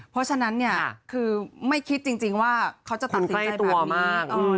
เพราะฉะนั้นคือไม่คิดจริงว่าเขาจะตัดสินใจแบบนี้